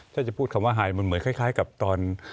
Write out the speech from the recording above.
ถ้าจะพูดคำว่าไฮมันเหมือนคล้ายกับตอน